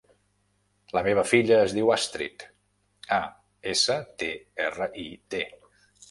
La meva filla es diu Astrid: a, essa, te, erra, i, de.